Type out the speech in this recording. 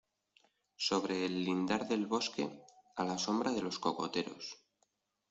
sobre el lindar del bosque, a la sombra de los cocoteros